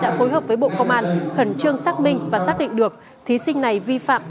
đã phối hợp với bộ công an khẩn trương xác minh và xác định được thí sinh này vi phạm